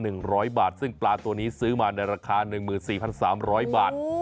ในราคากิโลกรัมละ๑๐๐บาทซึ่งปลาตัวนี้ซื้อมาในราคา๑๔๓๐๐บาท